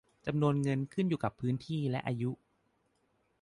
จำนวนเงินขึ้นกับพื้นที่และอายุ